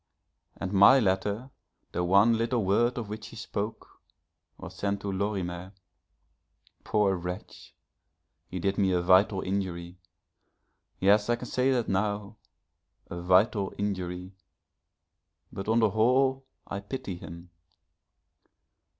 And my letter, the one little word of which she spoke, was sent to Lorimer. Poor wretch! he did me a vital injury yes, I can say that now a vital injury, but on the whole I pity him.